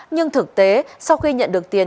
nhưng thực tế sau khi nhận được tiền